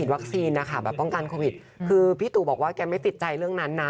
นะคะแบบป้องกันโควิดคือพี่ตู่บอกว่าแกไม่ติดใจเรื่องนั้นนะ